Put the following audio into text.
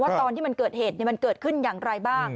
ตอนที่มันเกิดเหตุมันเกิดขึ้นอย่างไรบ้าง